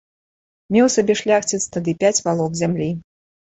Меў сабе шляхціц тады пяць валок зямлі.